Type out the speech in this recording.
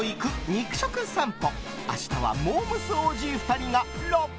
肉食さんぽ。